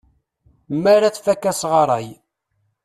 Mi ara tfak asɣaray.